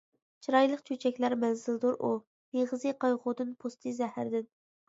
چىرايلىق چۆچەكلەر مەنزىلىدۇر ئۇ، مېغىزى قايغۇدىن، پوستى زەھەردىن.